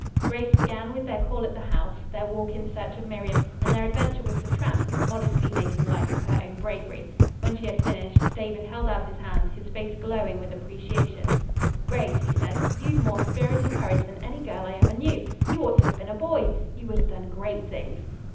Grace began with their call at the house, their walk in search of Miriam, and their adventure with the tramp, modestly making light of her own bravery. When she had finished, David held out his hand, his face glowing with appreciation "Grace," he said, "you've more spirit and courage than any girl I ever knew. You ought to have been a boy. You would have done great things."